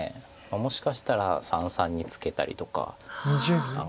もしかしたら三々にツケたりとか何かその。